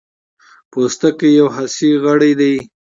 پوستکی یو حسي غړی دی.